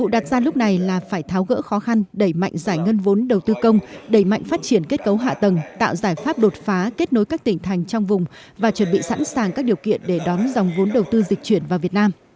đặt ra lúc này là phải tháo gỡ khó khăn đẩy mạnh giải ngân vốn đầu tư công đẩy mạnh phát triển kết cấu hạ tầng tạo giải pháp đột phá kết nối các tỉnh thành trong vùng và chuẩn bị sẵn sàng các điều kiện để đón dòng vốn đầu tư dịch chuyển vào việt nam